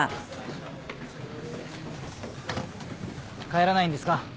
帰らないんですか？